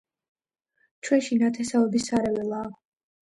ჩვენში ნათესების სარეველაა.